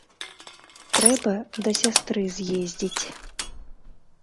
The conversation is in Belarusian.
Трэба да сястры з'ездзіць.